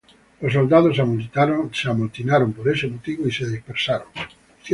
Los soldados se amotinaron por ese motivo y se dispersaron.